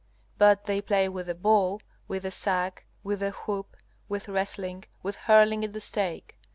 But they play with the ball, with the sack, with the hoop, with wrestling, with hurling at the stake.